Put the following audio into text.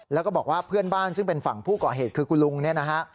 แล้วก็บอกว่าเพื่อนบ้านซึ่งเป็นฝั่งผู้ก่อเหตุคือคุณลุงเนี่ยนะฮะ